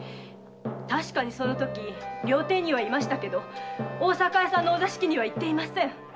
確かにそのとき料亭に居ましたが大阪屋さんのお座敷にはいってません。